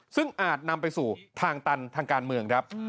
ซึ่งอาจนำไปสู่ทางตันทางการเมืองครับ